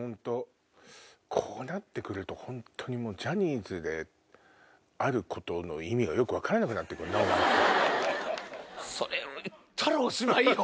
こうなって来ると本当にジャニーズであることの意味がよく分からなくなって来るねお前って。